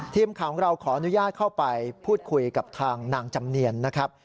ทีมข่าวของเราขออนุญาตเข้าไปพูดคุยกับทางนางจำเนียนนะครับ